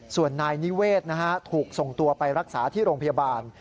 ส่วนนายนิเวศถูกส่งตัวไปรักษาที่โรงพยาบาล